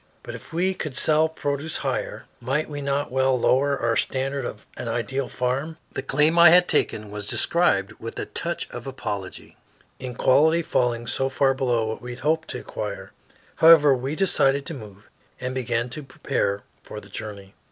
But if we could sell produce higher, might we not well lower our standard of an ideal farm? The claim I had taken was described with a touch of apology, in quality falling so far below what we had hoped to acquire. However, we decided to move, and began to prepare for the journey.